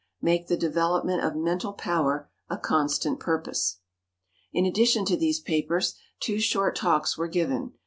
Make the development of mental power a constant purpose. In addition to these papers, two short talks were given.